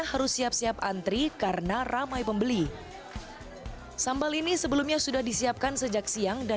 harus siap siap antri karena ramai pembeli sambal ini sebelumnya sudah disiapkan sejak siang dan